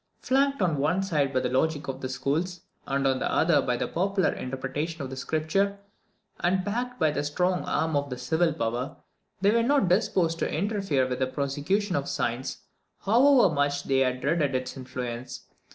Flanked on one side by the logic of the schools, and on the other by the popular interpretation of Scripture, and backed by the strong arm of the civil power, they were not disposed to interfere with the prosecution of science, however much they may have dreaded its influence.